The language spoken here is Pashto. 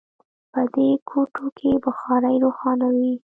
په دې کوټو کې بخارۍ روښانه وي